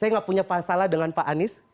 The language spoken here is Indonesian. saya gak punya pasalah dengan pak anies